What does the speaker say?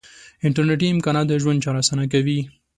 انټرنیټي امکانات د ژوند چارې آسانه کوي.